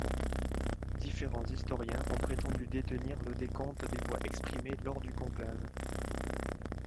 Différents historiens ont prétendu détenir le décompte des voix exprimées lors du conclave.